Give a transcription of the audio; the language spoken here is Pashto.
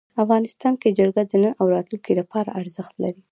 افغانستان کې جلګه د نن او راتلونکي لپاره ارزښت لري.